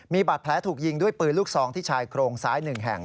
มีบาดแผลถูกยิงด้วยปืนลูกซองที่ชายโครงซ้าย๑แห่ง